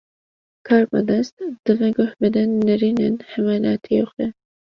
Karbidest, divê guh bide nêrînin hemwelatiyê xwe